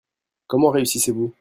Comment réussissez-vous ?